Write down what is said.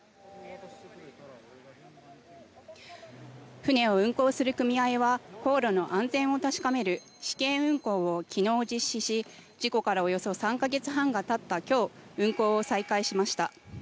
船を運航する組合は航路の安全を確かめる試験運航を昨日、実施し事故からおよそ３か月半がたった今日運航を再開しました。